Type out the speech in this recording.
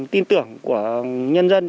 tin tưởng của nhân dân